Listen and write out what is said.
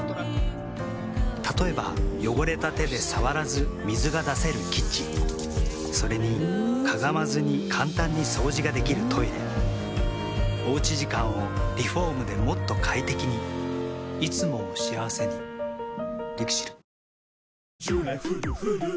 例えば汚れた手で触らず水が出せるキッチンそれにかがまずに簡単に掃除ができるトイレおうち時間をリフォームでもっと快適にいつもを幸せにＬＩＸＩＬ。